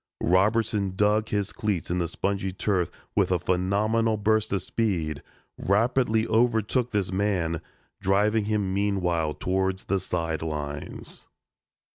Robertson dug his cleats in the spongy turf with a phenomenal burst of speed, rapidly overtook his man, driving him meanwhile towards the sidelines.